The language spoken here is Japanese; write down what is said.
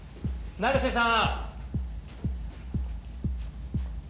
成瀬さん！